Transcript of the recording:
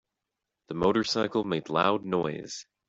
The motorcycle made loud noise.